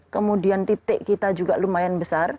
kemudian titik kita juga lumayan besar